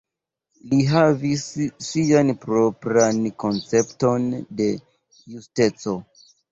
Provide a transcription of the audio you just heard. Li havis sian propran koncepton de justeco.